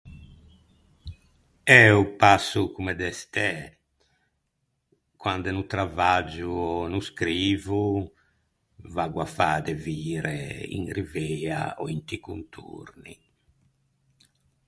Eh ô passo comme de stæ. Quande no travaggio ò no scrivo, vaggo à fâ de vire in Rivea, ò inti contorni.